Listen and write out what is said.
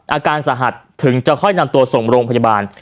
อาการสาหัสถึงจะค่อยนำตัวส่งโรงพยาบาล